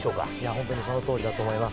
本当にその通りだと思います。